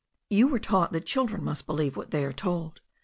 "You were taught that children must believe what they are told.